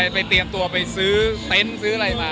เตรียมตัวไปซื้อเต็นต์ซื้ออะไรมา